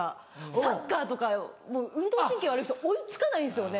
サッカーとか運動神経悪い人追い付かないんですよね。